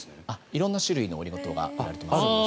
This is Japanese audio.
色んな種類のオリゴ糖が売られていますね。